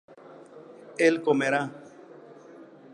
él comerá